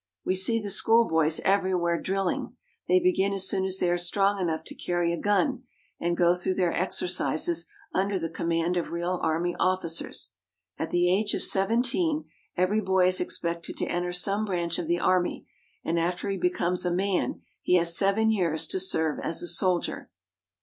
We see the schoolboys everywhere drilling. They begin as soon as they are strong enough to carry a gun and go through their exercises under the command of real army officers. At the age of seventeen every boy They tie their prisoners —" HOW JAPAN IS GOVERNED 63 is expected to enter some branch of the army, and after he becomes a man he has seven years to serve as a soldier.